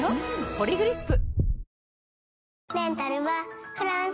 「ポリグリップ」